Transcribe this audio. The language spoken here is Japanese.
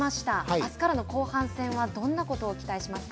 あすからの後半戦はどんなことを期待しますか。